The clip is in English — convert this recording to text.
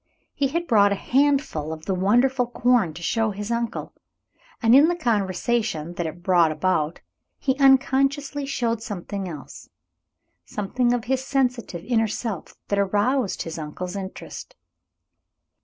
He had brought a handful of the wonderful corn to show his uncle, and in the conversation that it brought about he unconsciously showed something else, something of his sensitive inner self that aroused his uncle's interest.